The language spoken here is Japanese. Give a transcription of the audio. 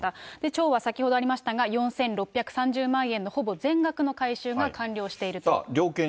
町は、先ほどありましたが、４６３０万円のほぼ全額の回収が完了していると。